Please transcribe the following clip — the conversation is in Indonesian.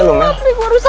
ini apaan sih bre